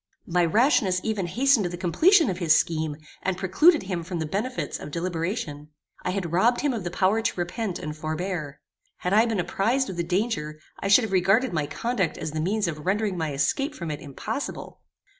My rashness even hastened the completion of his scheme, and precluded him from the benefits of deliberation. I had robbed him of the power to repent and forbear. Had I been apprized of the danger, I should have regarded my conduct as the means of rendering my escape from it impossible.